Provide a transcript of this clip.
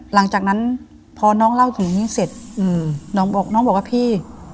หลังจากนั้นพอน้องเล่าถึงนี้เสร็จน้องบอกน้องบอกว่าพี่